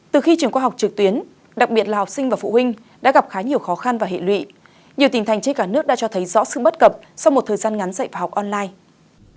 từ khi trường qua học trực tuyến đặc biệt là học sinh và phụ huynh đã gặp khá nhiều khó khăn và hệ lụy nhiều tỉnh thành trên cả nước đã cho thấy rõ sự bất cập sau một thời gian ngắn dạy và học online